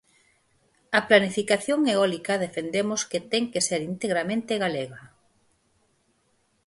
A planificación eólica defendemos que ten que ser integramente galega.